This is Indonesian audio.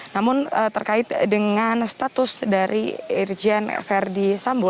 namun terkait dengan status dari irjen ferdisambo